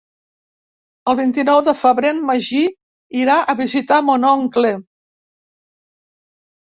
El vint-i-nou de febrer en Magí irà a visitar mon oncle.